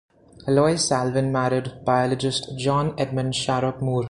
Heloise Salvin married biologist John Edmund Sharrock Moore.